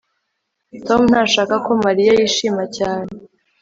tom ntashaka ko mariya yishima cyane